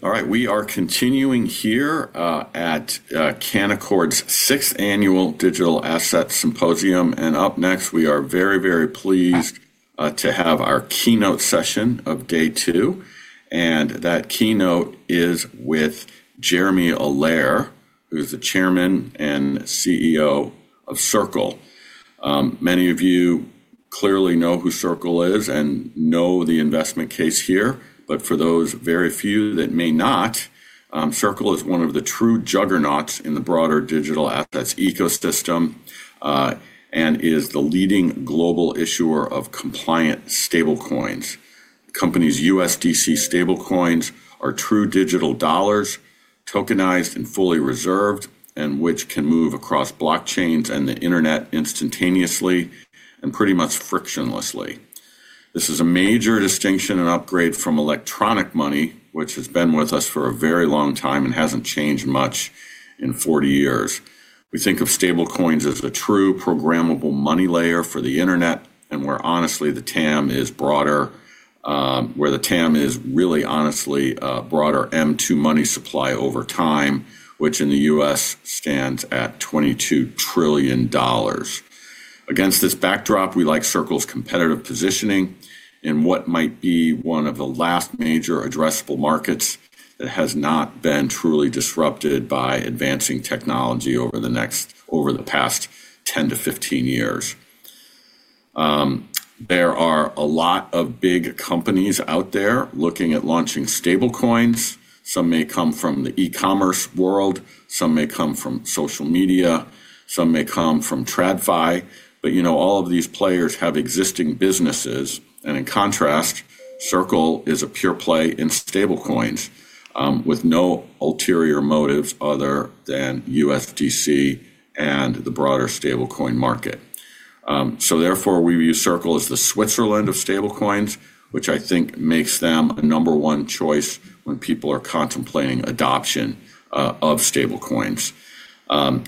All right, we are continuing here at Canaccord Genuity's sixth annual Digital Asset Symposium. Up next, we are very, very pleased to have our keynote session of day two, and that keynote is with Jeremy Allaire, who's the Chairman and CEO of Circle. Many of you clearly know who Circle is and know the investment case here. For those very few that may not, Circle is one of the true juggernauts in the broader digital assets ecosystem, and is the leading global issuer of compliant stablecoins. Company's USDC stablecoins are true digital dollars, tokenized and fully reserved, and which can move across blockchains and the internet instantaneously and pretty much frictionlessly. This is a major distinction and upgrade from electronic money, which has been with us for a very long time and hasn't changed much in 40 years. We think of stablecoins as the true programmable money layer for the internet, and the TAM is really honestly a broader M2 money supply over time, which in the U.S. stands at $22 trillion. Against this backdrop, we like Circle's competitive positioning in what might be one of the last major addressable markets that has not been truly disrupted by advancing technology over the past 10-15 years. There are a lot of big companies out there looking at launching stablecoins. Some may come from the e-commerce world, some may come from social media, some may come from TradFi. You know, all of these players have existing businesses, and in contrast, Circle is a pure play in stablecoins, with no ulterior motives other than USDC and the broader stablecoin market. Therefore, we view Circle as the Switzerland of stablecoins, which I think makes them a number one choice when people are contemplating adoption of stablecoins.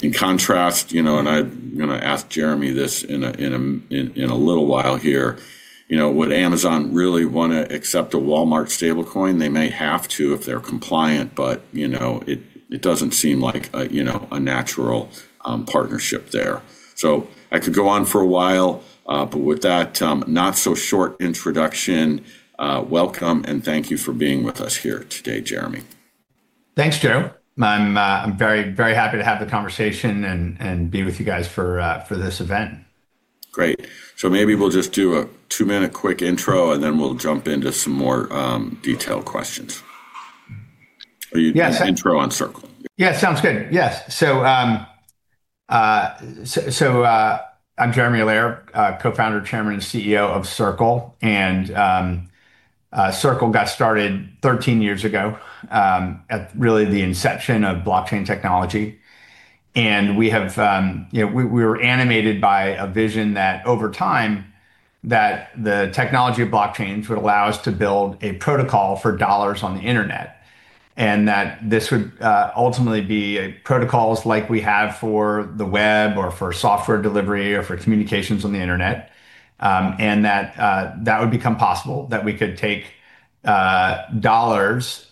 In contrast, you know, and I'm gonna ask Jeremy this in a little while here, you know, would Amazon really wanna accept a Walmart stablecoin? They may have to if they're compliant, but you know, it doesn't seem like a natural partnership there. I could go on for a while, but with that not so short introduction, welcome and thank you for being with us here today, Jeremy. Thanks, Joe. I'm very, very happy to have the conversation and be with you guys for this event. Great. Maybe we'll just do a two minute quick intro, and then we'll jump into some more, detailed questions. Yes. You do an intro on Circle. Yeah. Sounds good. Yes. I'm Jeremy Allaire, Co-Founder, Chairman, and CEO of Circle. Circle got started 13 years ago at really the inception of blockchain technology. We have, you know, we were animated by a vision that over time that the technology of blockchains would allow us to build a protocol for dollars on the internet. That this would ultimately be protocols like we have for the web or for software delivery or for communications on the internet. That would become possible, that we could take dollars,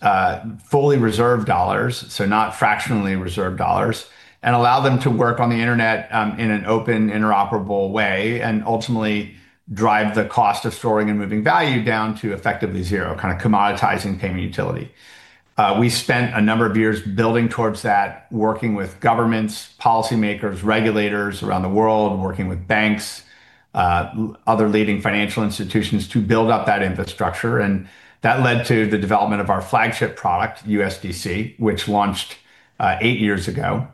fully reserved dollars, so not fractionally reserved dollars, and allow them to work on the internet in an open, interoperable way. Ultimately drive the cost of storing and moving value down to effectively zero, kinda commoditizing payment utility. We spent a number of years building towards that, working with governments, policymakers, regulators around the world, working with banks, other leading financial institutions to build up that infrastructure. That led to the development of our flagship product, USDC, which launched eight years ago.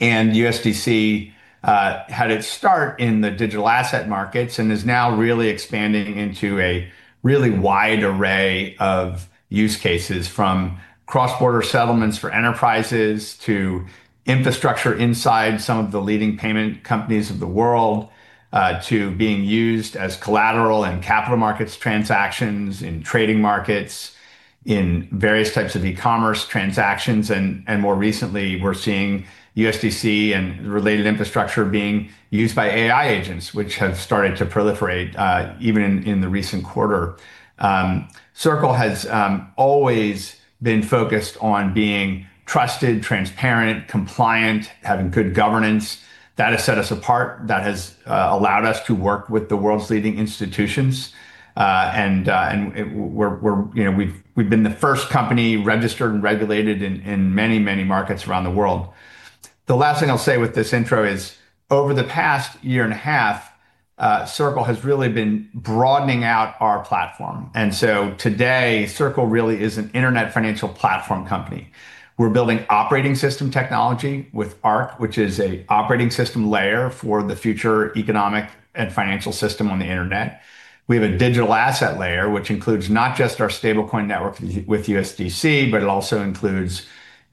USDC had its start in the digital asset markets and is now really expanding into a really wide array of use cases, from cross-border settlements for enterprises to infrastructure inside some of the leading payment companies of the world, to being used as collateral in capital markets transactions, in trading markets, in various types of e-commerce transactions. More recently, we're seeing USDC and related infrastructure being used by AI agents, which have started to proliferate, even in the recent quarter. Circle has always been focused on being trusted, transparent, compliant, having good governance. That has set us apart. That has allowed us to work with the world's leading institutions. We're, you know, we've been the first company registered and regulated in many markets around the world. The last thing I'll say with this intro is over the past year and a half, Circle has really been broadening out our platform. Today, Circle really is an internet financial platform company. We're building operating system technology with Arc, which is an operating system layer for the future economic and financial system on the internet. We have a digital asset layer, which includes not just our stablecoin network with USDC, but it also includes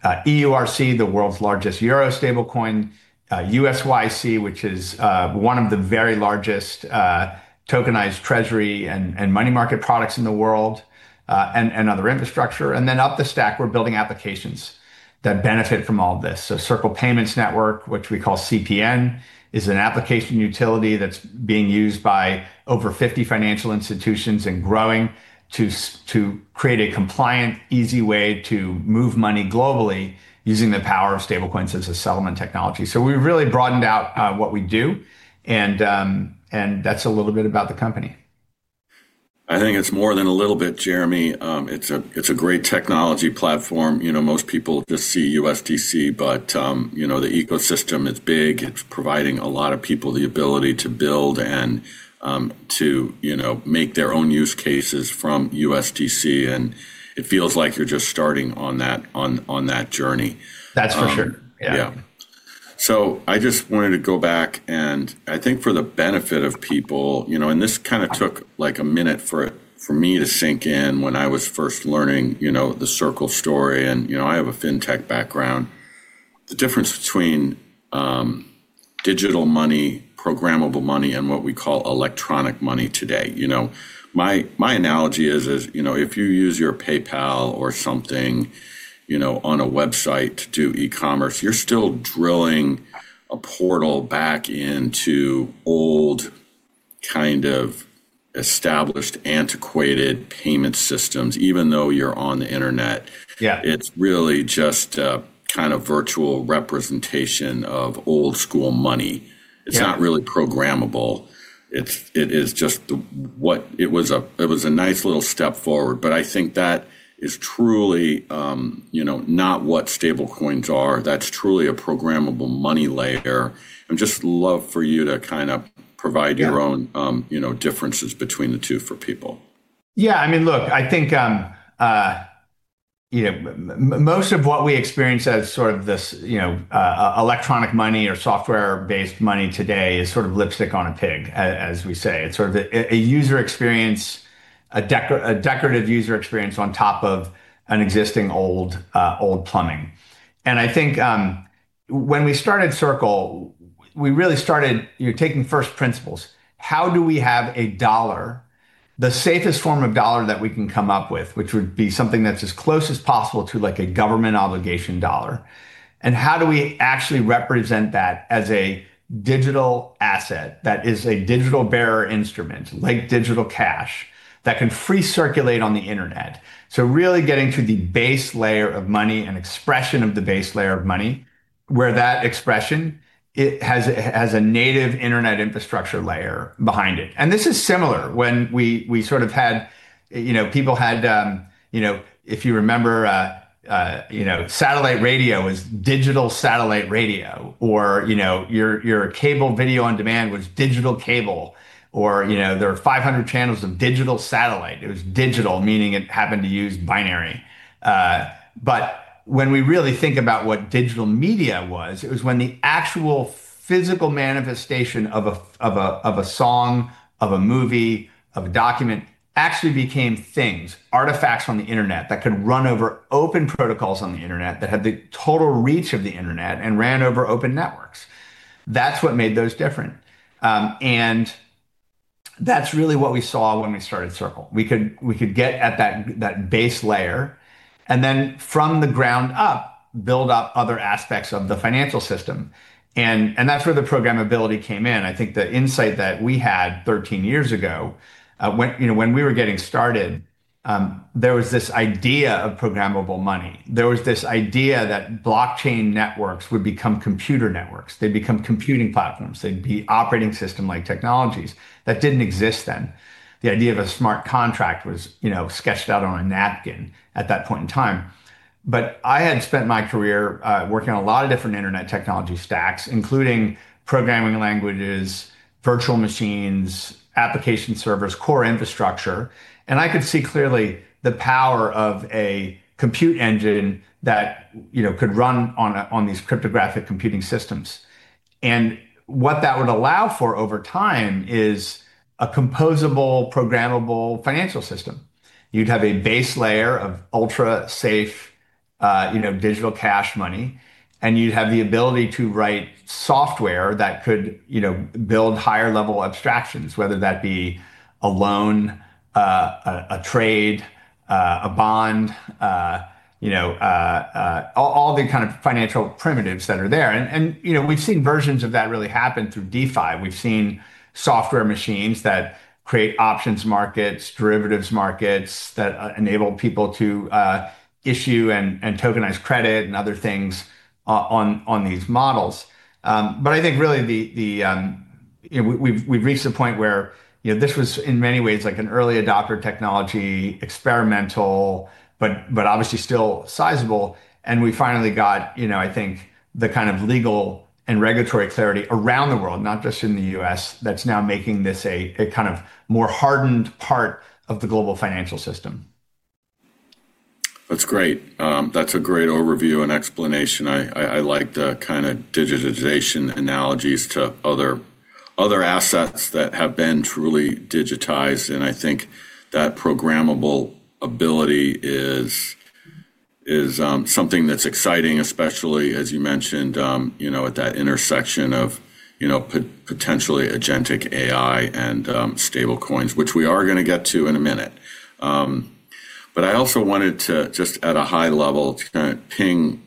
EURC, the world's largest euro stablecoin. USYC, which is one of the very largest tokenized treasury and money market products in the world, and other infrastructure. Then up the stack, we're building applications that benefit from all this. Circle Payments Network, which we call CPN, is an application utility that's being used by over 50 financial institutions and growing to create a compliant, easy way to move money globally using the power of stablecoins as a settlement technology. We've really broadened out what we do and that's a little bit about the company. I think it's more than a little bit, Jeremy. It's a great technology platform. You know, most people just see USDC, but you know, the ecosystem, it's big. It's providing a lot of people the ability to build and to, you know, make their own use cases from USDC, and it feels like you're just starting on that journey. That's for sure. Yeah. Yeah. I just wanted to go back, and I think for the benefit of people, you know. This kind of took like a minute for me to sink in when I was first learning, you know, the Circle story. You know, I have a fintech background. The difference between digital money, programmable money, and what we call electronic money today. You know, my analogy is, you know, if you use your PayPal or something, you know, on a website to do e-commerce, you're still drilling a portal back into old kind of established antiquated payment systems, even though you're on the internet. Yeah. It's really just a kind of virtual representation of old school money. Yeah. It's not really programmable. It was a nice little step forward, but I think that is truly, you know, not what stablecoins are. That's truly a programmable money layer. I'd just love for you to kind of provide- Yeah your own, you know, differences between the two for people. Yeah. I mean, look, I think, you know, most of what we experience as sort of this, you know, electronic money or software-based money today is sort of lipstick on a pig, as we say. It's sort of a user experience, a decorative user experience on top of an existing old plumbing. I think, when we started Circle, we really started, you know, taking first principles. How do we have a dollar, the safest form of dollar that we can come up with, which would be something that's as close as possible to like a government obligation dollar? How do we actually represent that as a digital asset that is a digital bearer instrument like digital cash that can freely circulate on the internet? Really getting to the base layer of money and expression of the base layer of money, where that expression, it has a native internet infrastructure layer behind it. This is similar. When we sort of had, you know, people had, you know. If you remember, you know, satellite radio is digital satellite radio or, you know, your cable video on demand was digital cable, or, you know, there are 500 channels of digital satellite. It was digital, meaning it happened to use binary. When we really think about what digital media was, it was when the actual physical manifestation of a song, of a movie, of a document actually became things, artifacts on the internet that could run over open protocols on the internet, that had the total reach of the internet and ran over open networks. That's what made those different. That's really what we saw when we started Circle. We could get at that base layer, and then from the ground up, build up other aspects of the financial system. That's where the programmability came in. I think the insight that we had 13 years ago, when you know, when we were getting started, there was this idea of programmable money. There was this idea that blockchain networks would become computer networks. They'd become computing platforms. They'd be operating system-like technologies that didn't exist then. The idea of a smart contract was, you know, sketched out on a napkin at that point in time. I had spent my career, working on a lot of different internet technology stacks, including programming languages, virtual machines, application servers, core infrastructure, and I could see clearly the power of a compute engine that, you know, could run on these cryptographic computing systems. What that would allow for over time is a composable, programmable financial system. You'd have a base layer of ultra-safe, you know, digital cash money, and you'd have the ability to write software that could, you know, build higher level abstractions, whether that be a loan, a trade, a bond, you know, all the kind of financial primitives that are there. You know, we've seen versions of that really happen through DeFi. We've seen software machines that create options markets, derivatives markets, that enable people to issue and tokenize credit and other things on these models. I think really, you know, we've reached a point where, you know, this was in many ways like an early adopter technology, experimental, but obviously still sizable. We finally got, you know, I think the kind of legal and regulatory clarity around the world, not just in the U.S., that's now making this a kind of more hardened part of the global financial system. That's great. That's a great overview and explanation. I like the kinda digitization analogies to other assets that have been truly digitized, and I think that programmable ability is something that's exciting, especially as you mentioned, you know, at that intersection of, you know, potentially agentic AI and stablecoins, which we are gonna get to in a minute. But I also wanted to just at a high level to kind of ping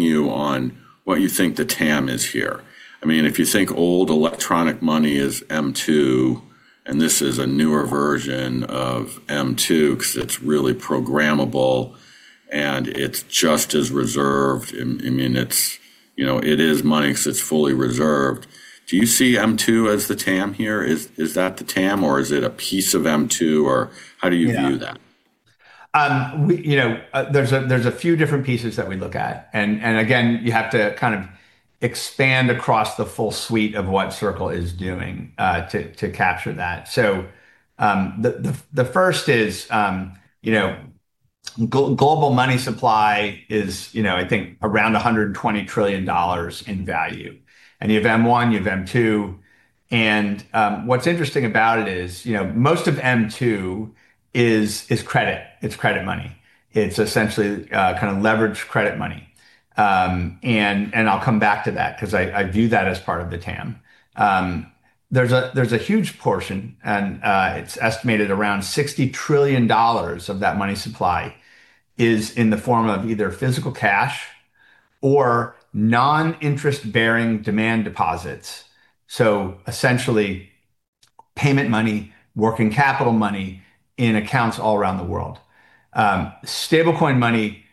you on what you think the TAM is here. I mean, if you think old electronic money is M2, and this is a newer version of M2 'cause it's really programmable and it's just as reserved. I mean, it's. You know, it is money because it's fully reserved. Do you see M2 as the TAM here? Is that the TAM, or is it a piece of M2, or how do you view that? Yeah. You know, there's a few different pieces that we look at. Again, you have to kind of expand across the full suite of what Circle is doing to capture that. The first is, you know, global money supply is, you know, I think around $120 trillion in value. You have M1, you have M2. What's interesting about it is, you know, most of M2 is credit. It's credit money. It's essentially kind of leveraged credit money. I'll come back to that because I view that as part of the TAM. There's a huge portion, and it's estimated around $60 trillion of that money supply is in the form of either physical cash or non-interest bearing demand deposits. Essentially payment money, working capital money in accounts all around the world. Stablecoin money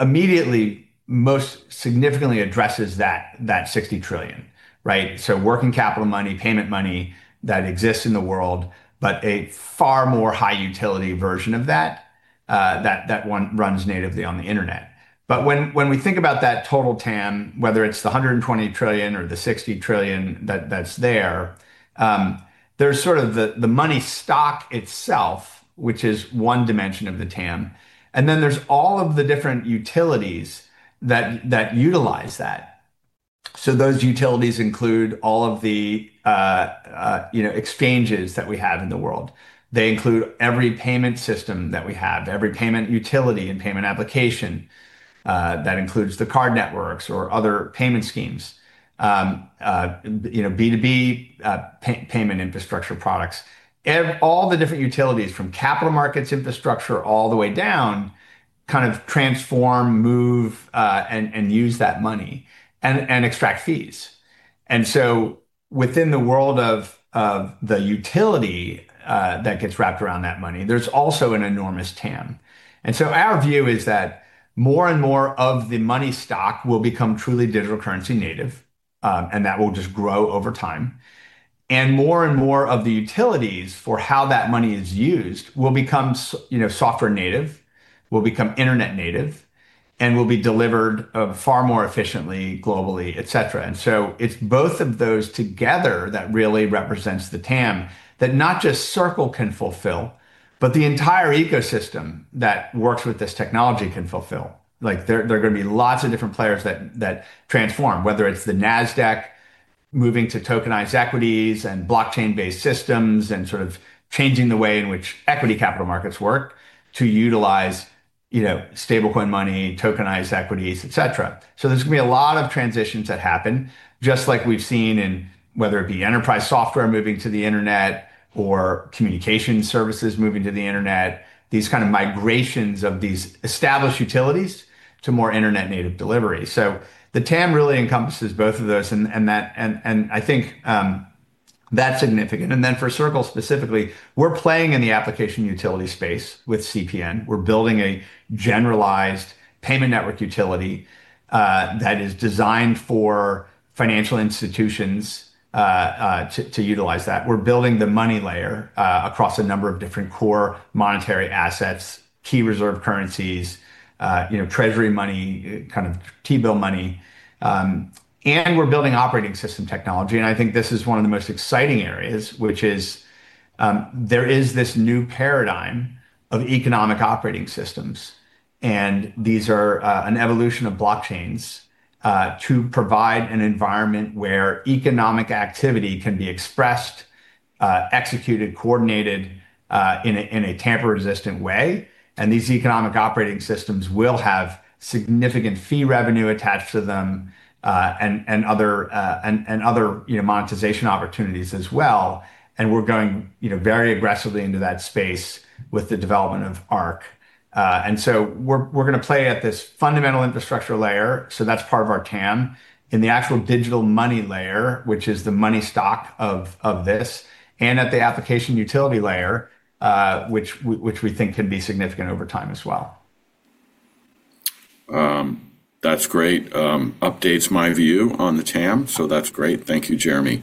immediately most significantly addresses that $60 trillion, right? Working capital money, payment money that exists in the world, but a far more high utility version of that one runs natively on the internet. When we think about that total TAM, whether it's the $120 trillion or the $60 trillion that's there's sort of the money stock itself, which is one dimension of the TAM. Then there's all of the different utilities that utilize that. Those utilities include all of the, you know, exchanges that we have in the world. They include every payment system that we have, every payment utility and payment application, that includes the card networks or other payment schemes. You know, B2B payment infrastructure products. All the different utilities from capital markets infrastructure all the way down kind of transform, move, and use that money and extract fees. Within the world of the utility that gets wrapped around that money, there's also an enormous TAM. Our view is that more and more of the money stock will become truly digital currency native, and that will just grow over time. More and more of the utilities for how that money is used will become, you know, software native, will become internet native, and will be delivered far more efficiently, globally, etc. It's both of those together that really represents the TAM that not just Circle can fulfill, but the entire ecosystem that works with this technology can fulfill. There are gonna be lots of different players that transform, whether it's the Nasdaq moving to tokenized equities and blockchain-based systems and sort of changing the way in which equity capital markets work to utilize, you know, stablecoin money, tokenized equities, etc. There's gonna be a lot of transitions that happen, just like we've seen in whether it be enterprise software moving to the internet or communication services moving to the internet, these kind of migrations of these established utilities to more internet native delivery. The TAM really encompasses both of those and that. I think that's significant. Then for Circle specifically, we're playing in the application utility space with CPN. We're building a generalized payment network utility that is designed for financial institutions to utilize that. We're building the money layer across a number of different core monetary assets, key reserve currencies, you know, treasury money, kind of T-bill money. We're building operating system technology, and I think this is one of the most exciting areas, which is there is this new paradigm of economic operating systems. These are an evolution of blockchains to provide an environment where economic activity can be expressed, executed, coordinated in a tamper-resistant way. These economic operating systems will have significant fee revenue attached to them and other, you know, monetization opportunities as well. We're going, you know, very aggressively into that space with the development of Arc. We're gonna play at this fundamental infrastructure layer, that's part of our TAM. In the actual digital money layer, which is the money stock of this, and at the application utility layer, which we think can be significant over time as well. That's great. Updates my view on the TAM, so that's great. Thank you, Jeremy.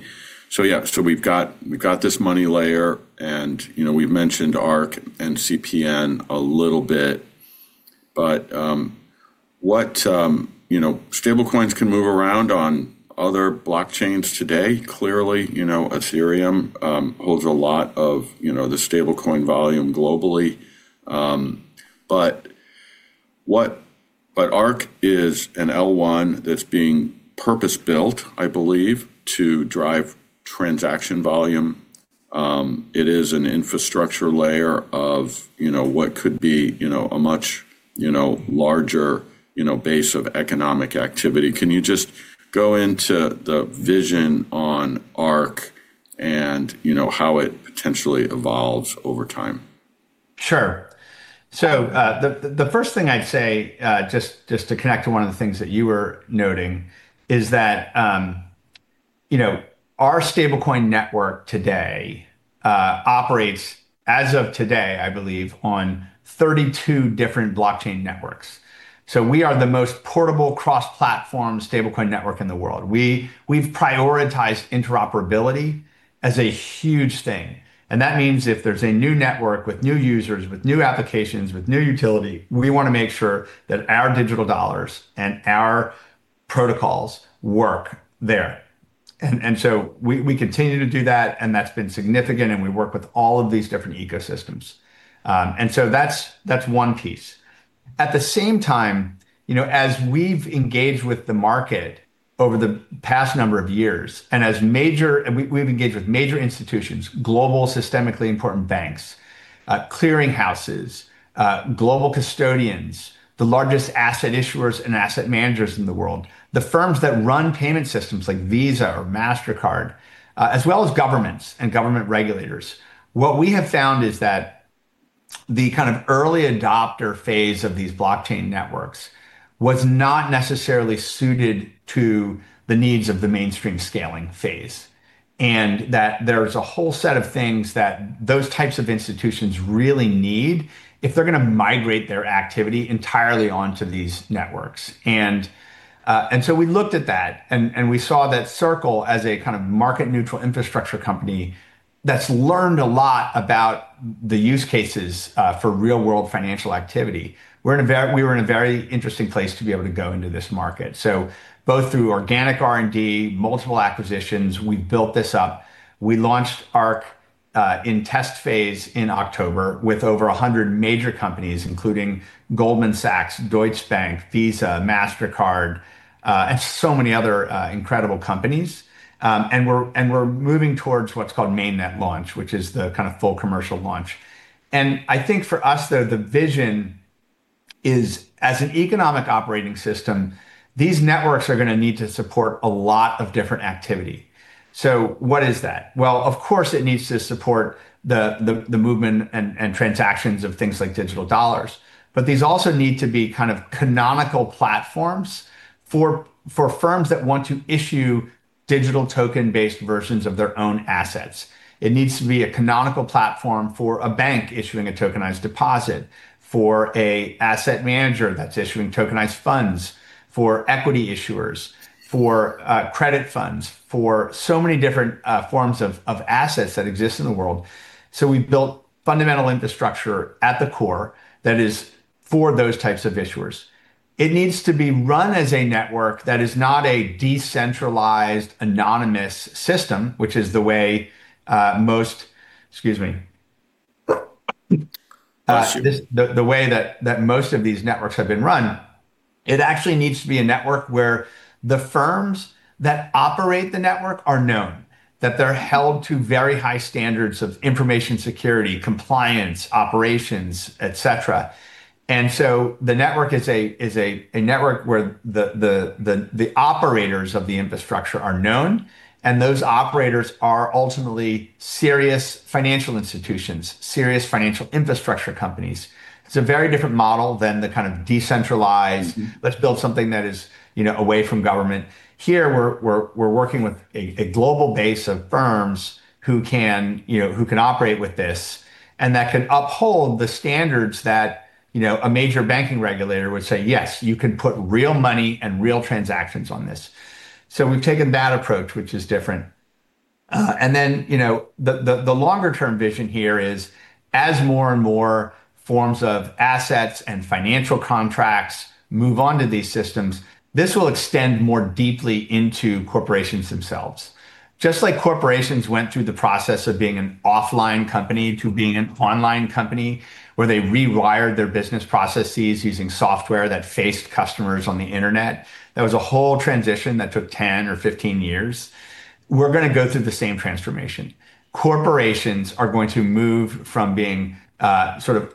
Yeah, we've got this money layer, and you know, we've mentioned Arc and CPN a little bit. You know, stablecoins can move around on other blockchains today. Clearly, you know, Ethereum holds a lot of, you know, the stablecoin volume globally. Arc is an L1 that's being purpose-built, I believe, to drive transaction volume. It is an infrastructure layer of, you know, what could be, you know, a much, you know, larger, you know, base of economic activity. Can you just go into the vision on Arc and, you know, how it potentially evolves over time? Sure. The first thing I'd say, just to connect to one of the things that you were noting, is that. You know, our stablecoin network today operates as of today, I believe, on 32 different blockchain networks. We are the most portable cross-platform stablecoin network in the world. We've prioritized interoperability as a huge thing. That means if there's a new network with new users, with new applications, with new utility, we wanna make sure that our digital dollars and our protocols work there. So we continue to do that, and that's been significant, and we work with all of these different ecosystems. That's one piece. At the same time, you know, as we've engaged with the market over the past number of years, and we've engaged with major institutions, global systemically important banks, clearing houses, global custodians, the largest asset issuers and asset managers in the world, the firms that run payment systems like Visa or Mastercard, as well as governments and government regulators. What we have found is that the kind of early adopter phase of these blockchain networks was not necessarily suited to the needs of the mainstream scaling phase, and that there's a whole set of things that those types of institutions really need if they're gonna migrate their activity entirely onto these networks. We looked at that and we saw that Circle as a kind of market neutral infrastructure company that's learned a lot about the use cases for real world financial activity. We were in a very interesting place to be able to go into this market. Both through organic R&D, multiple acquisitions, we built this up. We launched Arc in test phase in October with over 100 major companies, including Goldman Sachs, Deutsche Bank, Visa, Mastercard, and so many other incredible companies. We're moving towards what's called mainnet launch, which is the kind of full commercial launch. I think for us, though, the vision is as an economic operating system, these networks are gonna need to support a lot of different activity. What is that? Of course, it needs to support the movement and transactions of things like digital dollars. These also need to be kind of canonical platforms for firms that want to issue digital token-based versions of their own assets. It needs to be a canonical platform for a bank issuing a tokenized deposit, for an asset manager that's issuing tokenized funds, for equity issuers, for credit funds, for so many different forms of assets that exist in the world. We built fundamental infrastructure at the core that is for those types of issuers. It needs to be run as a network that is not a decentralized anonymous system. The way that most of these networks have been run, it actually needs to be a network where the firms that operate the network are known, that they're held to very high standards of information security, compliance, operations, etc. The network is a network where the operators of the infrastructure are known, and those operators are ultimately serious financial institutions, serious financial infrastructure companies. It's a very different model than the kind of decentralized, let's build something that is, you know, away from government. Here, we're working with a global base of firms who can, you know, operate with this and that can uphold the standards that, you know, a major banking regulator would say, "Yes, you can put real money and real transactions on this." We've taken that approach, which is different. You know, the longer term vision here is as more and more forms of assets and financial contracts move onto these systems, this will extend more deeply into corporations themselves. Just like corporations went through the process of being an offline company to being an online company, where they rewired their business processes using software that faced customers on the internet, that was a whole transition that took 10 or 15 years. We're gonna go through the same transformation. Corporations are going to move from being sort of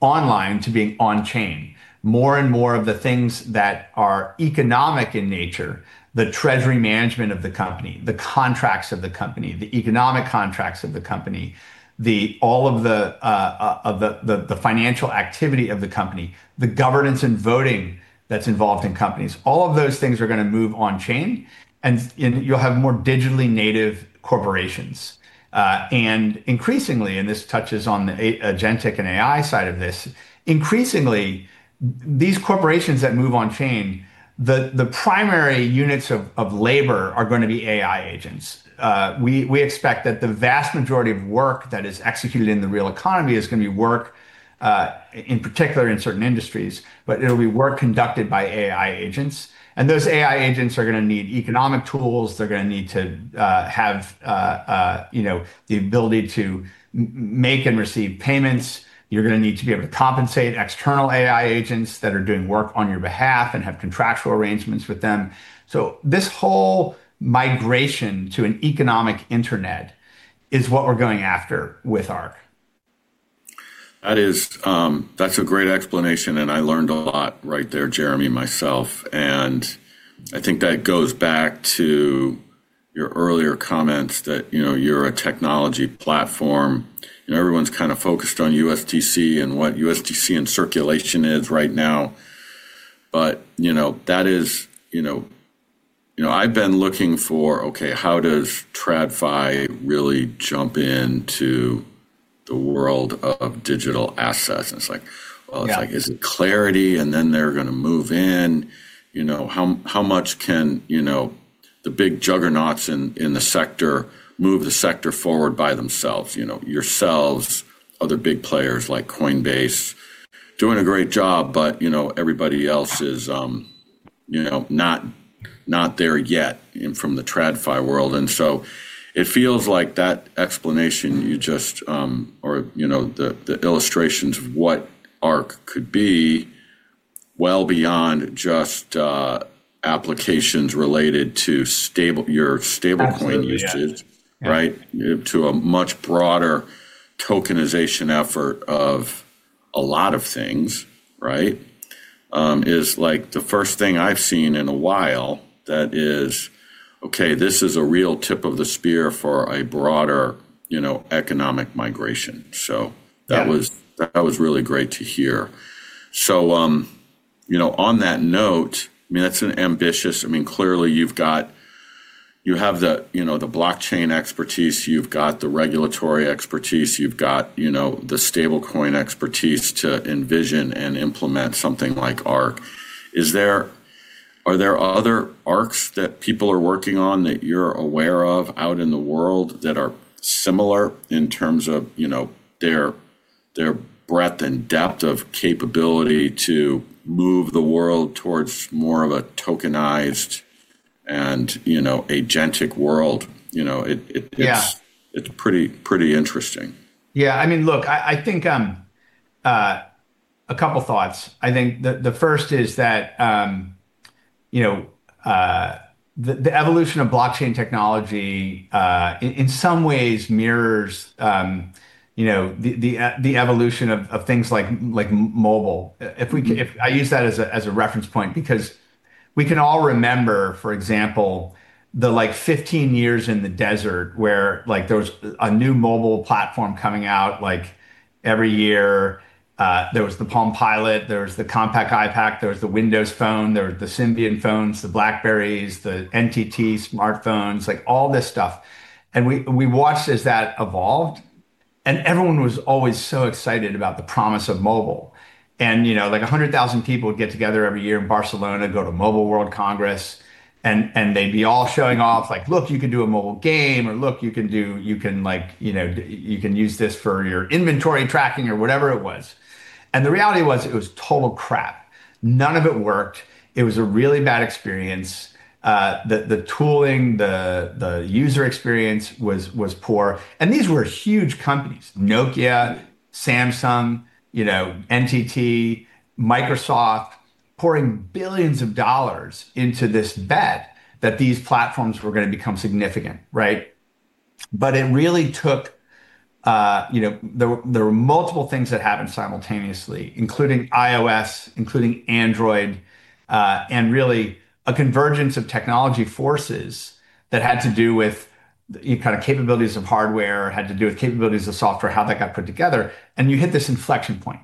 online to being on chain. More and more of the things that are economic in nature, the treasury management of the company, the contracts of the company, the economic contracts of the company, all of the financial activity of the company, the governance and voting that's involved in companies, all of those things are gonna move on chain, and you'll have more digitally native corporations. Increasingly, and this touches on the agentic and AI side of this, increasingly, these corporations that move on chain, the primary units of labor are gonna be AI agents. We expect that the vast majority of work that is executed in the real economy is gonna be work in particular in certain industries, but it'll be work conducted by AI agents. Those AI agents are gonna need economic tools. They're gonna need to have you know, the ability to make and receive payments. You're gonna need to be able to compensate external AI agents that are doing work on your behalf and have contractual arrangements with them. This whole migration to an economic internet is what we're going after with Arc. That's a great explanation, and I learned a lot right there, Jeremy, myself. I think that goes back to your earlier comments that, you know, you're a technology platform. You know, everyone's kind of focused on USDC and what USDC in circulation is right now. You know, that is, you know. You know, I've been looking for, okay, how does TradFi really jump into the world of digital assets? And it's like- Yeah Well, it's like, is it clarity and then they're gonna move in? You know, how much can, you know, the big juggernauts in the sector move the sector forward by themselves? You know, yourselves, other big players like Coinbase doing a great job, but, you know, everybody else is, you know, not there yet in from the TradFi world. It feels like that explanation you just. Or, you know, the illustrations of what Arc could be well beyond just applications related to stablecoin, your stablecoin usage. Absolutely. Yeah. Right? To a much broader tokenization effort of a lot of things, right? This is like the first thing I've seen in a while that is, okay, this is a real tip of the spear for a broader, you know, economic migration. That was really great to hear. You know, on that note, I mean, that's an ambitious. I mean, clearly you have the, you know, the blockchain expertise, you've got the regulatory expertise, you've got, you know, the stablecoin expertise to envision and implement something like Arc. Are there other Arcs that people are working on that you're aware of out in the world that are similar in terms of, you know, their breadth and depth of capability to move the world towards more of a tokenized and, you know, agentic world? Yeah It's pretty interesting. Yeah. I mean, look, I think a couple thoughts. I think the first is that, you know, the evolution of blockchain technology in some ways mirrors, you know, the evolution of things like mobile. If we can- ...if I use that as a reference point because we can all remember, for example, the, like, 15 years in the desert where, like, there was a new mobile platform coming out like every year. There was the Palm Pilot, there was the Compaq iPAQ, there was the Windows Phone, there was the Symbian phones, the BlackBerry, the NTT smartphones, like all this stuff. We watched as that evolved, and everyone was always so excited about the promise of mobile. You know, like 100,000 people would get together every year in Barcelona, go to Mobile World Congress, and they'd be all showing off like, "Look, you can do a mobile game," or, "Look, you can use this for your inventory tracking," or whatever it was. The reality was, it was total crap. None of it worked. It was a really bad experience. The tooling, the user experience was poor. These were huge companies, Nokia, Samsung, you know, NTT, Microsoft, pouring billions of dollars into this bet that these platforms were gonna become significant, right? It really took. There were multiple things that happened simultaneously, including iOS, including Android, and really a convergence of technology forces that had to do with the kind of capabilities of hardware, had to do with capabilities of software, how that got put together, and you hit this inflection point.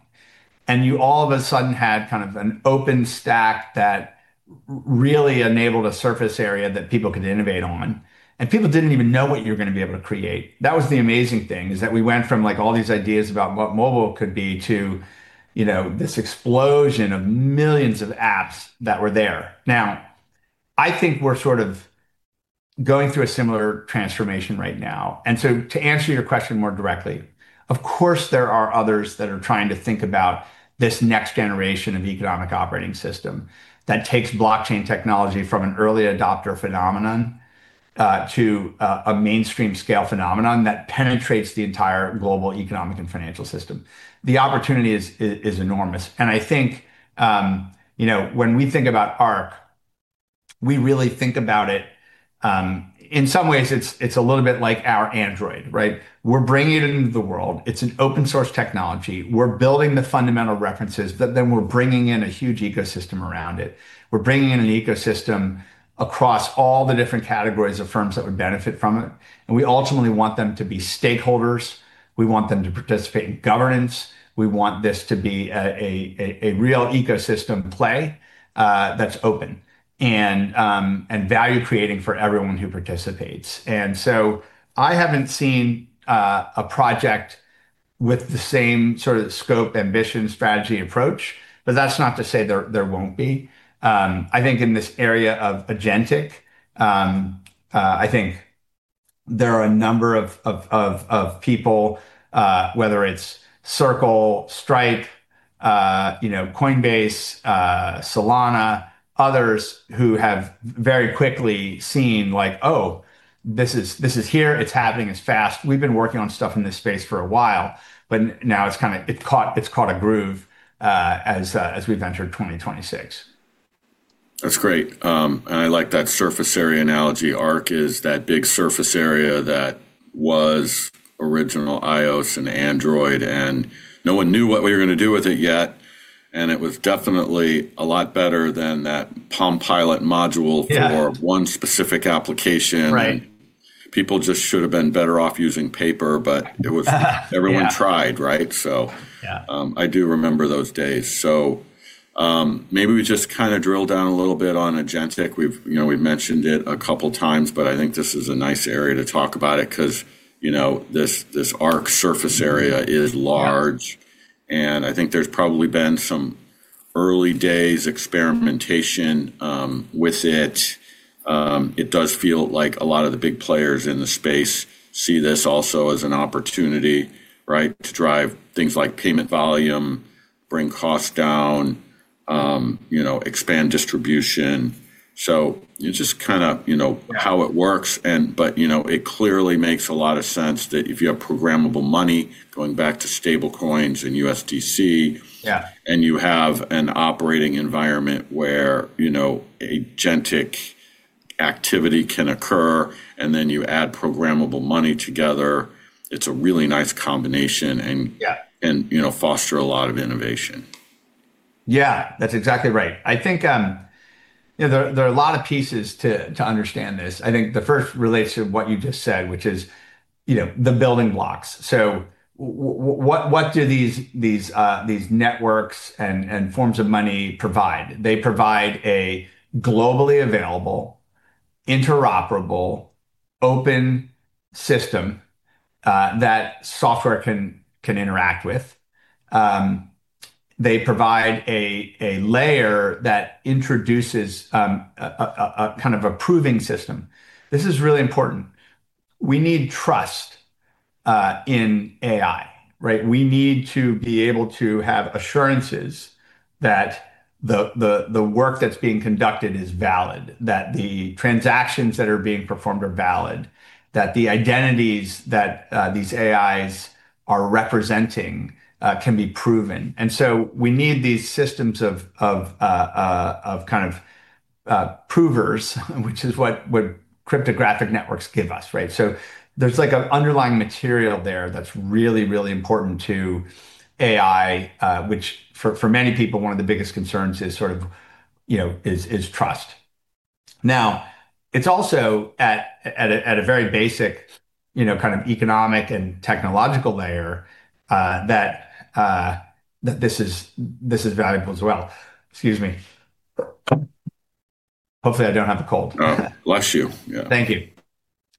You all of a sudden had kind of an open stack that really enabled a surface area that people could innovate on, and people didn't even know what you were gonna be able to create. That was the amazing thing, is that we went from, like, all these ideas about what mobile could be to, you know, this explosion of millions of apps that were there. Now, I think we're sort of going through a similar transformation right now. To answer your question more directly, of course, there are others that are trying to think about this next generation of economic operating system that takes blockchain technology from an early adopter phenomenon to a mainstream scale phenomenon that penetrates the entire global economic and financial system. The opportunity is enormous. I think, you know, when we think about Arc, we really think about it. In some ways, it's a little bit like our Android, right? We're bringing it into the world. It's an open source technology. We're building the fundamental references, but then we're bringing in a huge ecosystem around it. We're bringing in an ecosystem across all the different categories of firms that would benefit from it, and we ultimately want them to be stakeholders. We want them to participate in governance. We want this to be a real ecosystem play that's open and value-creating for everyone who participates. I haven't seen a project with the same sort of scope, ambition, strategy, approach, but that's not to say there won't be. I think in this area of agentic I think there are a number of people, whether it's Circle, Stripe, you know, Coinbase, Solana, others who have very quickly seen, like, "Oh, this is here. It's happening. It's fast. We've been working on stuff in this space for a while, but now it's kinda caught a groove, as we've entered 2026. That's great. I like that surface area analogy. Arc is that big surface area that was original iOS and Android, and no one knew what we were gonna do with it yet, and it was definitely a lot better than that Palm Pilot module. Yeah for one specific application. Right People just should have been better off using paper. Yeah everyone tried, right? Yeah I do remember those days. Maybe we just kinda drill down a little bit on agentic. We've, you know, mentioned it a couple times, but I think this is a nice area to talk about it 'cause, you know, this Arc surface area is large. I think there's probably been some early days experimentation- with it. It does feel like a lot of the big players in the space see this also as an opportunity, right? To drive things like payment volume, bring costs down, you know, expand distribution. You just kinda, you know Yeah you know, it clearly makes a lot of sense that if you have programmable money going back to stablecoins and USDC. Yeah You have an operating environment where, you know, agentic activity can occur, and then you add programmable money together. It's a really nice combination. Yeah You know, foster a lot of innovation. Yeah. That's exactly right. I think, you know, there are a lot of pieces to understand this. I think the first relates to what you just said, which is, you know, the building blocks. What do these networks and forms of money provide? They provide a globally available, interoperable, open system that software can interact with. They provide a layer that introduces a kind of a proving system. This is really important. We need trust in AI, right? We need to be able to have assurances that the work that's being conducted is valid, that the transactions that are being performed are valid, that the identities that these AIs are representing can be proven. We need these systems of provers, which is what cryptographic networks give us, right? There's like an underlying material there that's really important to AI, which for many people, one of the biggest concerns is sort of, you know, is trust. Now, it's also at a very basic, you know, kind of economic and technological layer, that this is valuable as well. Excuse me. Hopefully, I don't have a cold. Oh. Bless you. Yeah. Thank you.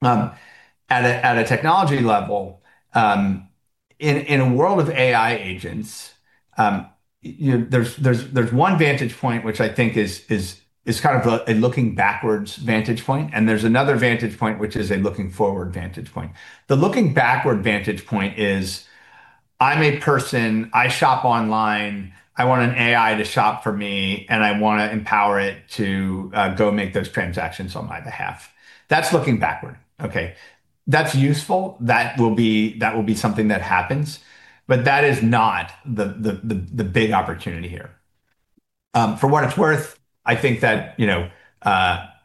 At a technology level, in a world of AI agents, you know, there's one vantage point, which I think is kind of a looking backwards vantage point, and there's another vantage point, which is a looking forward vantage point. The looking backward vantage point is, I'm a person, I shop online, I want an AI to shop for me, and I wanna empower it to go make those transactions on my behalf. That's looking backward, okay? That's useful. That will be something that happens, but that is not the big opportunity here. For what it's worth, I think that, you know,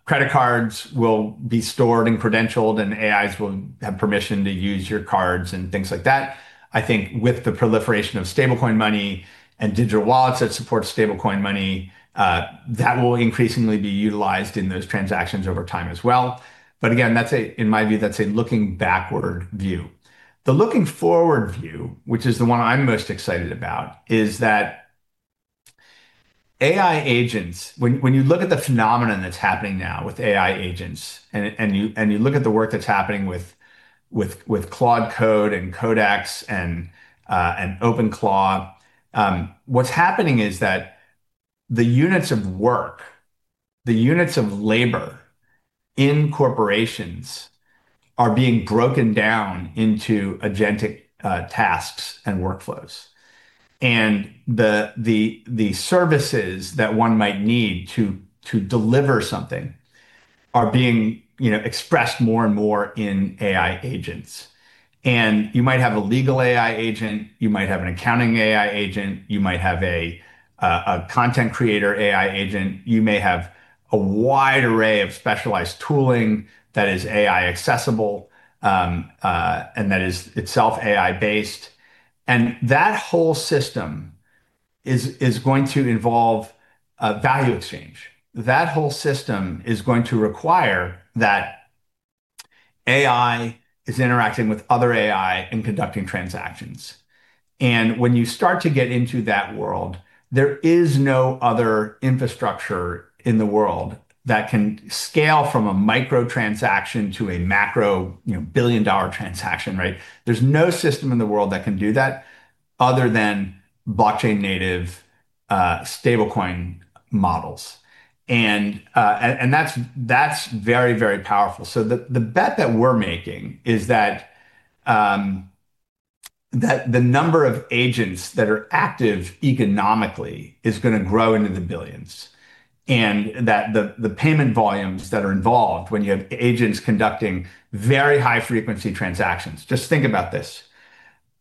credit cards will be stored and credentialed, and AIs will have permission to use your cards and things like that. I think with the proliferation of stablecoin money and digital wallets that support stablecoin money, that will increasingly be utilized in those transactions over time as well. Again, in my view, that's a looking backward view. The looking forward view, which is the one I'm most excited about, is that AI agents. When you look at the phenomenon that's happening now with AI agents and you look at the work that's happening with Claude Code and Codex and OpenClaw, what's happening is that the units of work, the units of labor in corporations are being broken down into agentic tasks and workflows. The services that one might need to deliver something are being, you know, expressed more and more in AI agents. You might have a legal AI agent. You might have an accounting AI agent. You might have a content creator AI agent. You may have a wide array of specialized tooling that is AI accessible, and that is itself AI based. That whole system is going to involve a value exchange. That whole system is going to require that AI is interacting with other AI and conducting transactions. When you start to get into that world, there is no other infrastructure in the world that can scale from a micro transaction to a macro, you know, billion-dollar transaction, right? There's no system in the world that can do that other than blockchain native stablecoin models. That's very, very powerful. The bet that we're making is that the number of agents that are active economically is gonna grow into the billions, and that the payment volumes that are involved when you have agents conducting very high frequency transactions. Just think about this.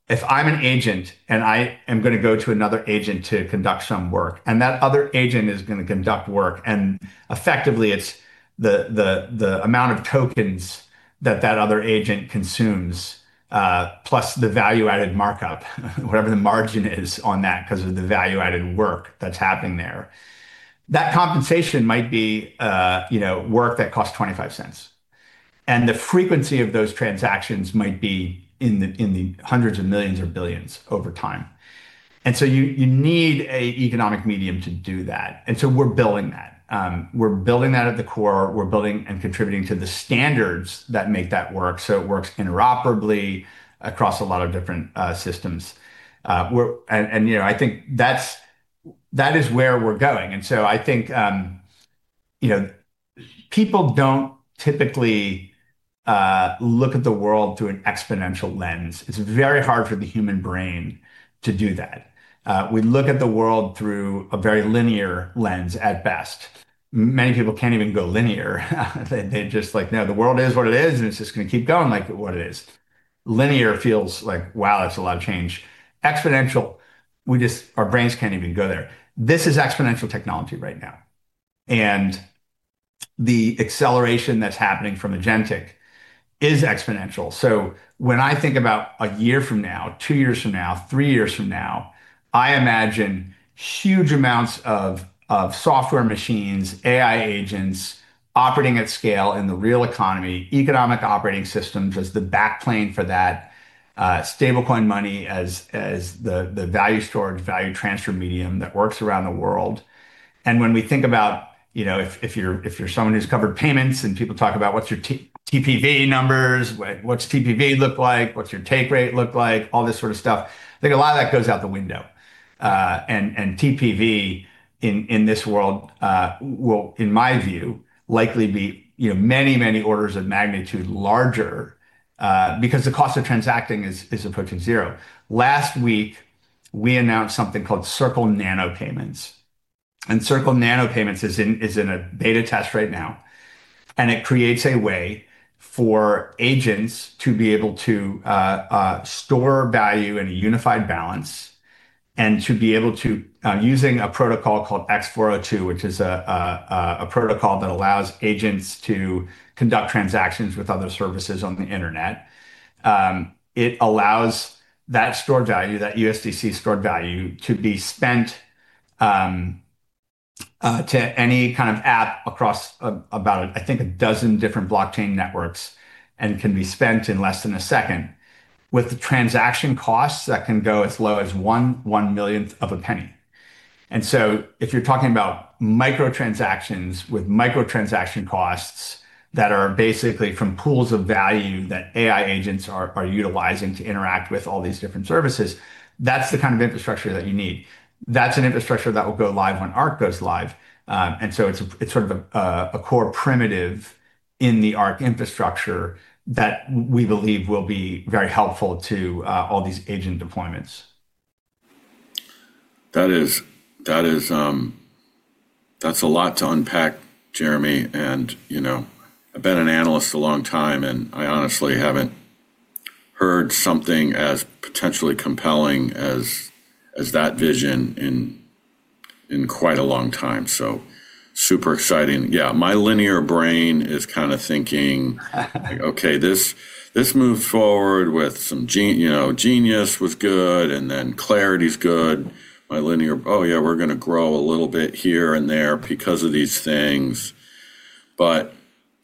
If I'm an agent, and I am gonna go to another agent to conduct some work, and that other agent is gonna conduct work, and effectively it's the amount of tokens that that other agent consumes, plus the value-added markup, whatever the margin is on that 'cause of the value-added work that's happening there. That compensation might be, you know, work that costs $0.25. And the frequency of those transactions might be in the hundreds of millions or billions over time. You need an economic medium to do that. We're building that. We're building that at the core. We're building and contributing to the standards that make that work, so it works interoperably across a lot of different systems. You know, I think that's, that is where we're going. I think, you know, people don't typically look at the world through an exponential lens. It's very hard for the human brain to do that. We look at the world through a very linear lens at best. Many people can't even go linear. They just like, "No, the world is what it is, and it's just gonna keep going like what it is." Linear feels like, wow, that's a lot of change. Exponential, we just our brains can't even go there. This is exponential technology right now, and the acceleration that's happening from agentic is exponential. When I think about a year from now, two years from now, three years from now, I imagine huge amounts of software machines, AI agents operating at scale in the real economy, economic operating systems as the backplane for that, stablecoin money as the value storage, value transfer medium that works around the world. When we think about, you know, if you're someone who's covered payments, and people talk about what's your TPV numbers, what's TPV look like, what's your take rate look like, all this sort of stuff, I think a lot of that goes out the window. TPV in this world will, in my view, likely be, you know, many orders of magnitude larger because the cost of transacting is approaching zero. Last week, we announced something called Circle Nano Payments. Circle Nano Payments is in a beta test right now, and it creates a way for agents to be able to store value in a unified balance and to be able to using a protocol called X402, which is a protocol that allows agents to conduct transactions with other services on the internet. It allows that stored value, that USDC stored value, to be spent to any kind of app across about, I think, a dozen different blockchain networks and can be spent in less than a second with transaction costs that can go as low as one-millionth of a penny. If you're talking about micro-transactions with micro-transaction costs that are basically from pools of value that AI agents are utilizing to interact with all these different services, that's the kind of infrastructure that you need. That's an infrastructure that will go live when Arc goes live. It's sort of a core primitive in the Arc infrastructure that we believe will be very helpful to all these agent deployments. That's a lot to unpack, Jeremy. You know, I've been an analyst a long time, and I honestly haven't heard something as potentially compelling as that vision in quite a long time. Super exciting. Yeah. My linear brain is kinda thinking like, okay, this moved forward with some genius, you know, was good, and then clarity's good. My linear, "Oh, yeah, we're gonna grow a little bit here and there because of these things."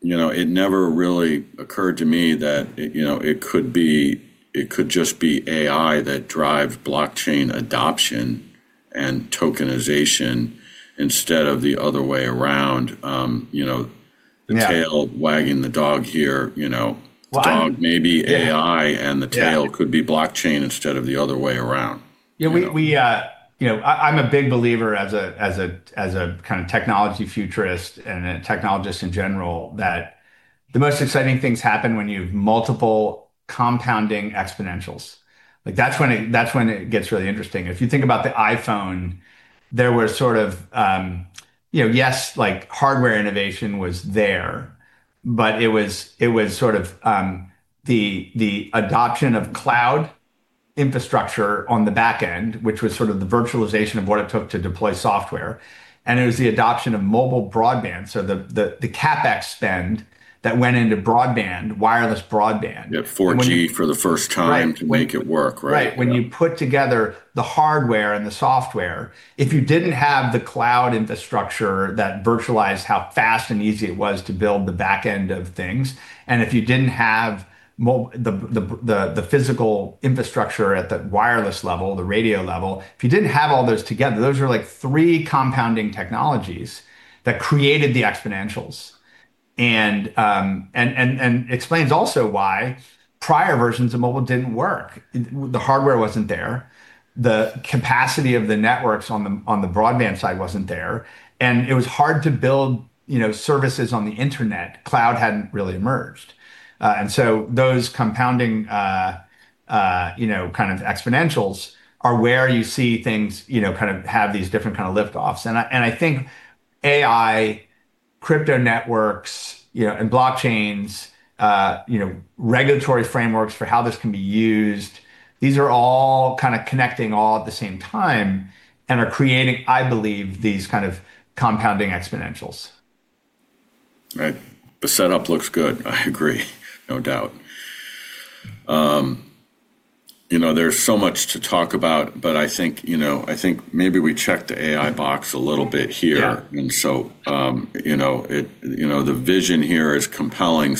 You know, it never really occurred to me that, you know, it could be, it could just be AI that drive blockchain adoption and tokenization instead of the other way around, you know. Yeah The tail wagging the dog here, you know. Well. Dog maybe AI- Yeah. the tail could be blockchain instead of the other way around, you know. Yeah. We you know, I'm a big believer as a kind of technology futurist and a technologist in general that the most exciting things happen when you have multiple compounding exponentials. Like, that's when it gets really interesting. If you think about the iPhone, there were sort of you know, yes, like, hardware innovation was there, but it was sort of the adoption of cloud infrastructure on the back end, which was sort of the virtualization of what it took to deploy software, and it was the adoption of mobile broadband. The CapEx spend that went into broadband, wireless broadband. You have 4G for the first time. Right to make it work, right? Right. Yeah. When you put together the hardware and the software, if you didn't have the cloud infrastructure that virtualized how fast and easy it was to build the back end of things, and if you didn't have the physical infrastructure at the wireless level, the radio level, if you didn't have all those together, those are like three compounding technologies that created the exponentials and explains also why prior versions of mobile didn't work. The hardware wasn't there. The capacity of the networks on the broadband side wasn't there, and it was hard to build, you know, services on the internet. Cloud hadn't really emerged. Those compounding, you know, kind of exponentials are where you see things, you know, kind of have these different kinda liftoffs. I think AI, crypto networks, you know, and blockchains, you know, regulatory frameworks for how this can be used. These are all kinda connecting all at the same time and are creating, I believe, these kind of compounding exponentials. Right. The setup looks good, I agree. No doubt. You know, there's so much to talk about, but I think maybe we check the AI box a little bit here. Yeah. You know, the vision here is compelling.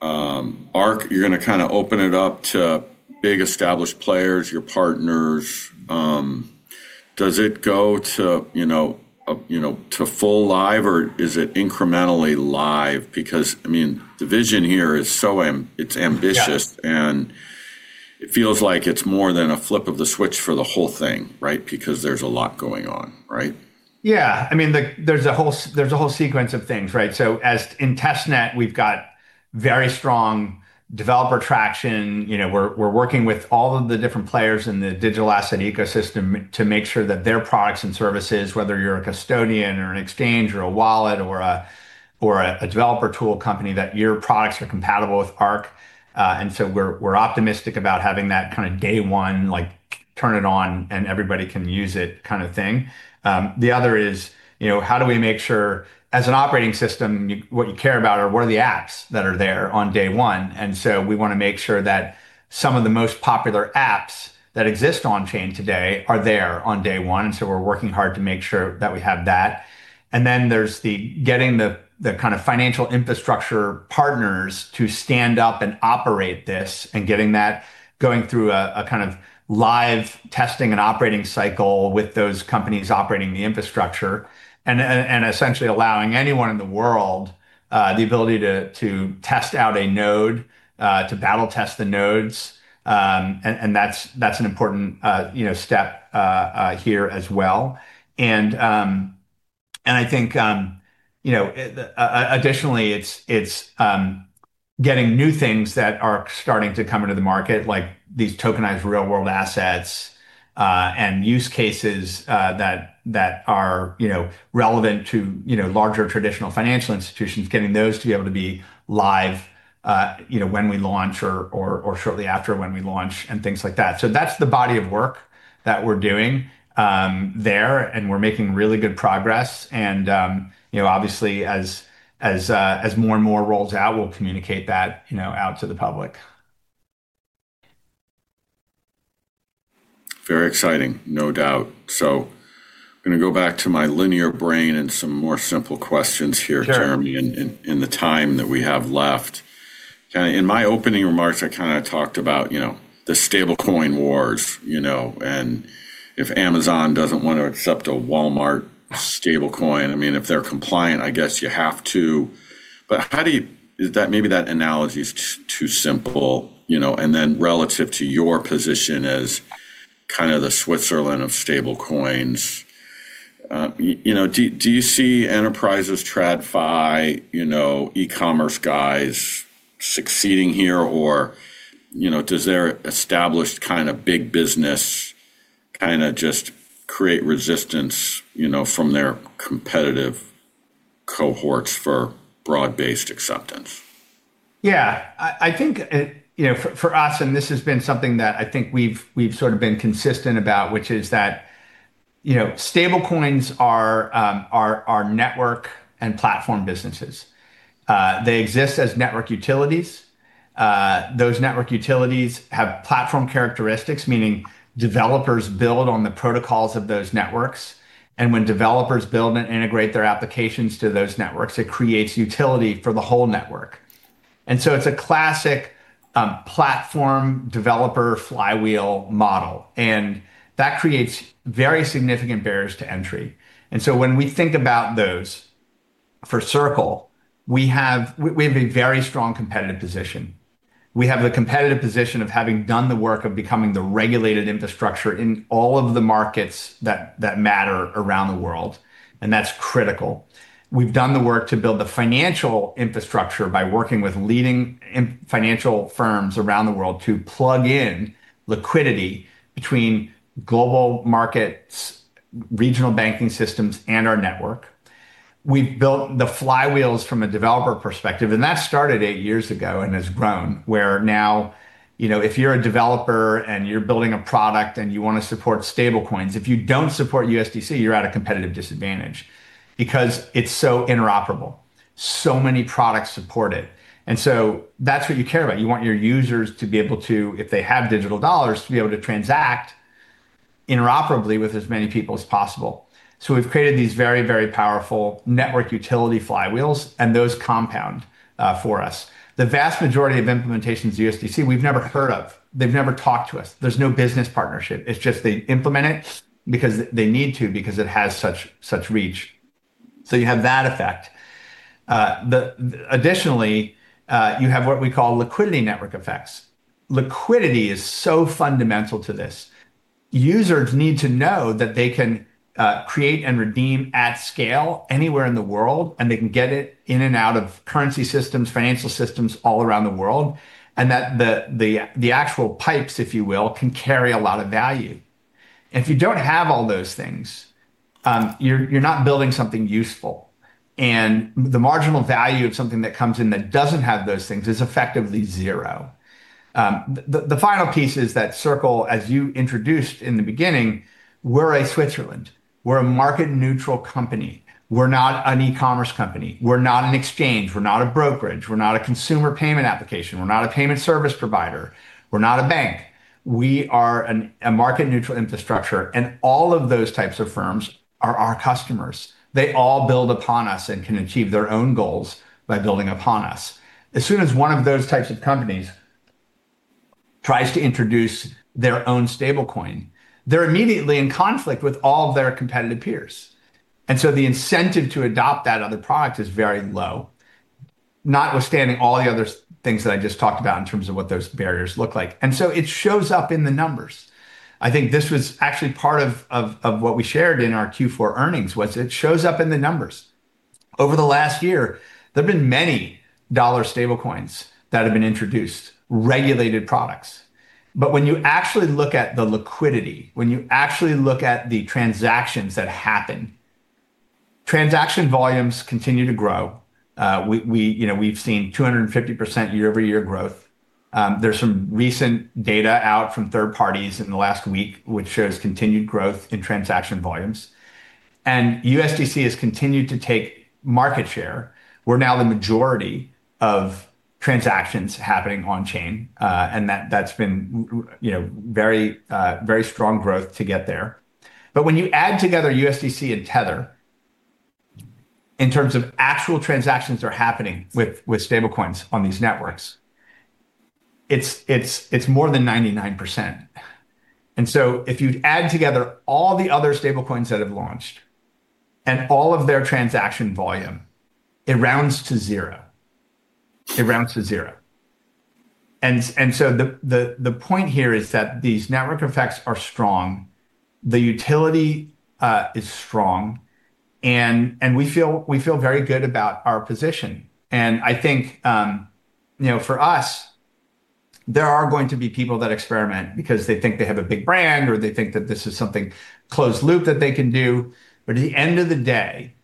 Arc, you're gonna kinda open it up to big established players, your partners. Does it go to, you know, to fully live, or is it incrementally live? Because, I mean, the vision here is so ambitious. Yeah It feels like it's more than a flip of the switch for the whole thing, right? Because there's a lot going on, right? Yeah. I mean, like, there's a whole sequence of things, right? Testnet, we've got very strong developer traction. We're working with all of the different players in the digital asset ecosystem to make sure that their products and services, whether you're a custodian or an exchange or a wallet or a developer tool company, that your products are compatible with Arc. We're optimistic about having that kinda day one, like, turn it on and everybody can use it kinda thing. The other is, how do we make sure. As an operating system, what you care about are the apps that are there on day one. We wanna make sure that some of the most popular apps that exist on chain today are there on day one. We're working hard to make sure that we have that. There's getting the kinda financial infrastructure partners to stand up and operate this and getting that going through a kind of live testing and operating cycle with those companies operating the infrastructure. And essentially allowing anyone in the world the ability to test out a node to battle test the nodes. And that's an important you know step here as well. I think, you know, additionally, it's getting new things that are starting to come into the market, like these tokenized real-world assets, and use cases, that are, you know, relevant to, you know, larger traditional financial institutions, getting those to be able to be live, you know, when we launch or shortly after when we launch and things like that. That's the body of work that we're doing there, and we're making really good progress. You know, obviously as more and more rolls out, we'll communicate that, you know, out to the public. Very exciting, no doubt. I'm gonna go back to my linear brain and some more simple questions here. Sure Jeremy, in the time that we have left. Kind of in my opening remarks, I kind of talked about, you know, the stablecoin wars, you know. If Amazon doesn't want to accept a Walmart stablecoin, I mean, if they're compliant, I guess you have to. Maybe that analogy is too simple, you know. Then relative to your position as kind of the Switzerland of stablecoins, you know, do you see enterprises TradFi, you know, e-commerce guys succeeding here? You know, does their established kind of big business kind of just create resistance, you know, from their competitive cohorts for broad-based acceptance? Yeah. I think, you know, for us, and this has been something that I think we've sort of been consistent about, which is that, you know, stablecoins are network and platform businesses. They exist as network utilities. Those network utilities have platform characteristics, meaning developers build on the protocols of those networks. When developers build and integrate their applications to those networks, it creates utility for the whole network. It's a classic platform developer flywheel model, and that creates very significant barriers to entry. When we think about those, for Circle, we have a very strong competitive position. We have the competitive position of having done the work of becoming the regulated infrastructure in all of the markets that matter around the world, and that's critical. We've done the work to build the financial infrastructure by working with leading financial firms around the world to plug in liquidity between global markets, regional banking systems, and our network. We've built the flywheels from a developer perspective, and that started eight years ago and has grown, where now, you know, if you're a developer and you're building a product and you wanna support stablecoins, if you don't support USDC, you're at a competitive disadvantage because it's so interoperable. Many products support it. That's what you care about. You want your users to be able to, if they have digital dollars, to be able to transact interoperably with as many people as possible. We've created these very, very powerful network utility flywheels, and those compound for us. The vast majority of implementations of USDC we've never heard of. They've never talked to us. There's no business partnership. It's just they implement it because they need to, because it has such reach. So you have that effect. Additionally, you have what we call liquidity network effects. Liquidity is so fundamental to this. Users need to know that they can create and redeem at scale anywhere in the world, and they can get it in and out of currency systems, financial systems all around the world, and that the actual pipes, if you will, can carry a lot of value. If you don't have all those things, you're not building something useful. The marginal value of something that comes in that doesn't have those things is effectively zero. The final piece is that Circle, as you introduced in the beginning, we're a Switzerland. We're a market neutral company. We're not an e-commerce company. We're not an exchange. We're not a brokerage. We're not a consumer payment application. We're not a payment service provider. We're not a bank. We are a market neutral infrastructure, and all of those types of firms are our customers. They all build upon us and can achieve their own goals by building upon us. As soon as one of those types of companies tries to introduce their own stablecoin, they're immediately in conflict with all of their competitive peers. The incentive to adopt that other product is very low, notwithstanding all the other things that I just talked about in terms of what those barriers look like. It shows up in the numbers. I think this was actually part of what we shared in our Q4 earnings. It shows up in the numbers. Over the last year, there've been many dollar stablecoins that have been introduced, regulated products. When you actually look at the liquidity, when you actually look at the transactions that happen, transaction volumes continue to grow. We, you know, we've seen 250% year-over-year growth. There's some recent data out from third parties in the last week which shows continued growth in transaction volumes. USDC has continued to take market share. We're now the majority of transactions happening on chain, and that's been, you know, very strong growth to get there. When you add together USDC and Tether in terms of actual transactions that are happening with stablecoins on these networks, it's more than 99%. If you'd add together all the other stablecoins that have launched and all of their transaction volume, it rounds to zero. It rounds to zero. The point here is that these network effects are strong. The utility is strong, and we feel very good about our position. I think, you know, for us, there are going to be people that experiment because they think they have a big brand, or they think that this is something closed loop that they can do. At the end of the day,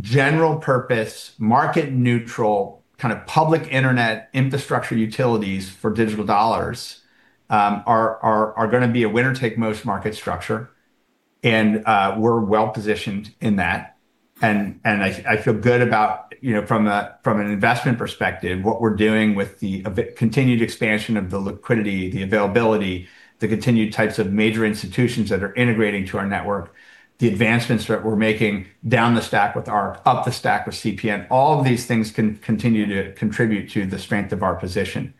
general purpose, market neutral, kind of public internet infrastructure utilities for digital dollars are gonna be a winner take most market structure, and we're well-positioned in that. I feel good about, you know, from an investment perspective, what we're doing with the continued expansion of the liquidity, the availability, the continued types of major institutions that are integrating to our network, the advancements that we're making down the stack with Arc, up the stack with CPN. All of these things continue to contribute to the strength of our position.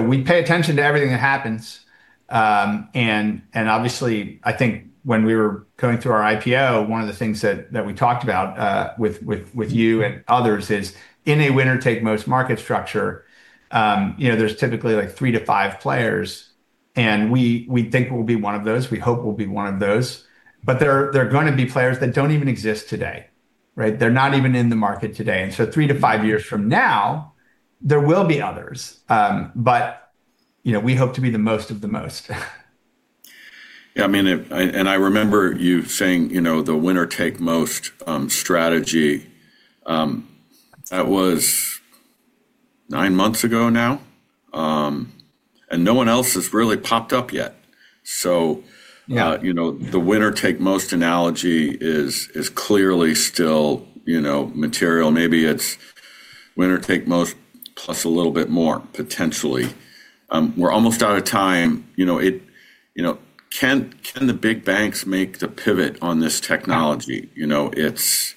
We pay attention to everything that happens, and obviously, I think when we were going through our IPO, one of the things that we talked about with you and others is in a winner take most market structure, you know, there's typically like three to five players, and we think we'll be one of those. We hope we'll be one of those. There are gonna be players that don't even exist today, right? They're not even in the market today. Three to five years from now, there will be others. You know, we hope to be the most of the most. Yeah, I mean, I remember you saying, you know, the winner take most strategy, that was nine months ago now, and no one else has really popped up yet. Yeah You know, the winner take most analogy is clearly still you know, material. Maybe it's winner take most plus a little bit more, potentially. We're almost out of time. You know, it you know, can the big banks make the pivot on this technology? You know, it's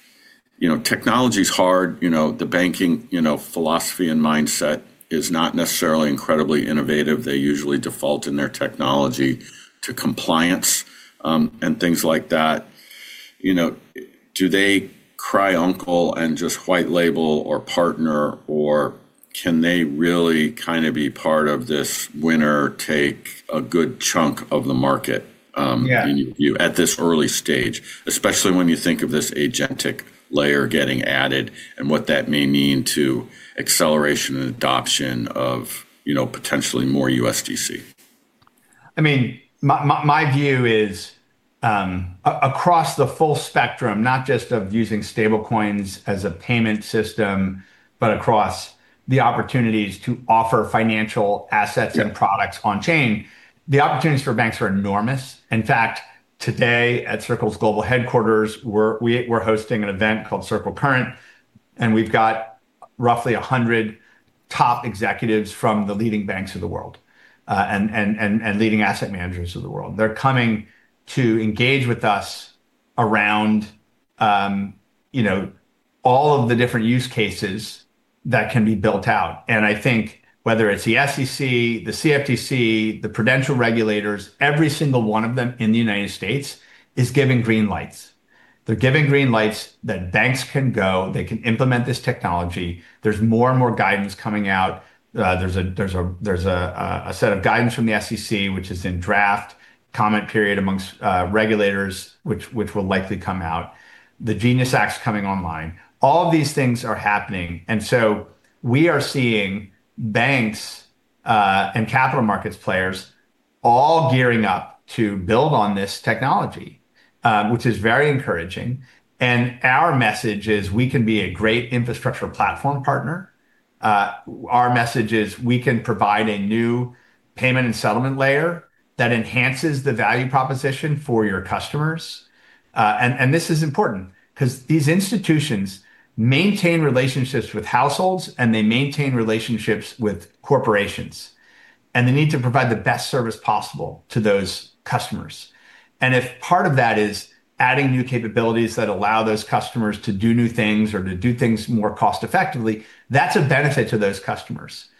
you know, technology's hard. You know, the banking you know, philosophy and mindset is not necessarily incredibly innovative. They usually default in their technology to compliance and things like that. You know, do they cry uncle and just white label or partner, or can they really kind of be part of this winner take a good chunk of the market. Yeah at this early stage, especially when you think of this agentic layer getting added and what that may mean to acceleration and adoption of, you know, potentially more USDC. I mean, my view is across the full spectrum, not just of using stablecoins as a payment system, but across the opportunities to offer financial assets and products on chain, the opportunities for banks are enormous. In fact, today at Circle's global headquarters, we're hosting an event called Circle Current, and we've got roughly 100 top executives from the leading banks of the world and leading asset managers of the world. They're coming to engage with us around you know, all of the different use cases that can be built out. I think whether it's the SEC, the CFTC, the Prudential regulators, every single one of them in the United States is giving green lights. They're giving green lights that banks can go, they can implement this technology. There's more and more guidance coming out. There's a set of guidance from the SEC, which is in draft comment period amongst regulators, which will likely come out. The GENIUS Act's coming online. All of these things are happening. We are seeing banks and capital markets players all gearing up to build on this technology, which is very encouraging. Our message is we can be a great infrastructure platform partner. Our message is we can provide a new payment and settlement layer that enhances the value proposition for your customers. This is important 'cause these institutions maintain relationships with households, and they maintain relationships with corporations, and they need to provide the best service possible to those customers. If part of that is adding new capabilities that allow those customers to do new things or to do things more cost effectively, that's a benefit to those customers.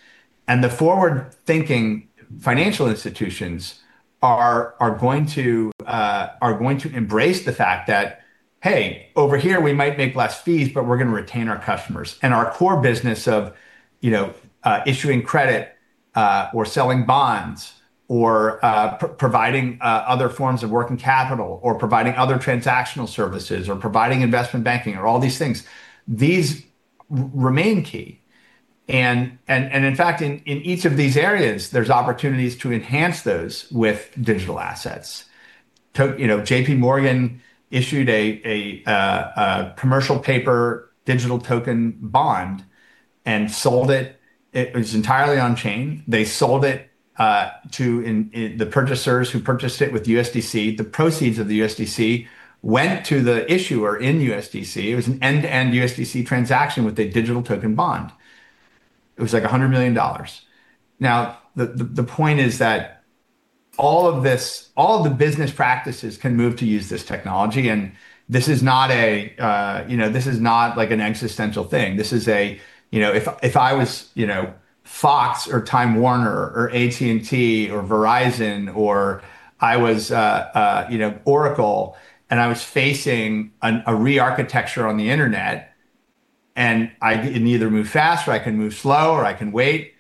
The forward-thinking financial institutions are going to embrace the fact that, "Hey, over here we might make less fees, but we're gonna retain our customers." Our core business of issuing credit or selling bonds or providing other forms of working capital or providing other transactional services or providing investment banking or all these things, these remain key. In each of these areas, there's opportunities to enhance those with digital assets. JP Morgan issued a commercial paper digital token bond and sold it. It was entirely on chain. They sold it to in... The purchasers who purchased it with USDC. The proceeds of the USDC went to the issuer in USDC. It was an end-to-end USDC transaction with a digital token bond. It was like $100 million. Now, the point is that all of this, all of the business practices can move to use this technology, and this is not a, you know, this is not, like, an existential thing. This is a, you know, if I was, you know, Fox or Time Warner or AT&T or Verizon or I was, you know, Oracle, and I was facing an, a rearchitecture on the internet, and I'd either move fast or I can move slow, or I can wait,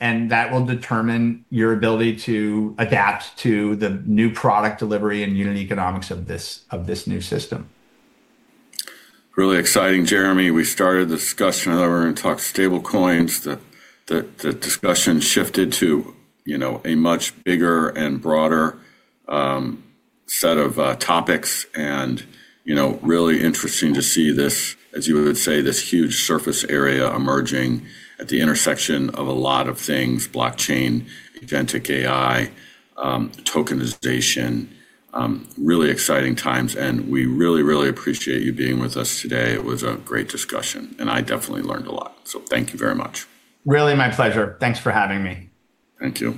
and that will determine your ability to adapt to the new product delivery and unit economics of this, of this new system. Really exciting, Jeremy. We started the discussion, and then we're gonna talk stablecoins. The discussion shifted to, you know, a much bigger and broader set of topics and, you know, really interesting to see this, as you would say, this huge surface area emerging at the intersection of a lot of things, blockchain, agentic AI, tokenization. Really exciting times, and we really, really appreciate you being with us today. It was a great discussion, and I definitely learned a lot, so thank you very much. Really my pleasure. Thanks for having me. Thank you.